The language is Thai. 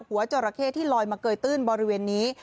จราเข้ที่ลอยมาเกยตื้นบริเวณนี้